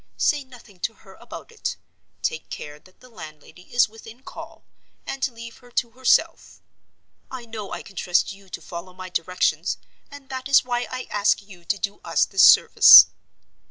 Say nothing to her about it—take care that the landlady is within call—and leave her to herself. I know I can trust you to follow my directions, and that is why I ask you to do us this service.